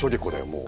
もう。